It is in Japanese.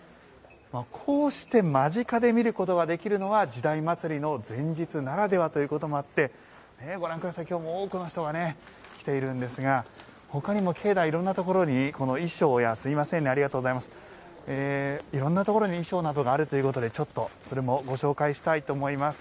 こうして間近で見ることができるのが「時代祭」の前日ならではということもあって今日も多くの方がきているんですが他にも境内、いろんなところに衣装などがあるということでそれもご紹介したいと思います。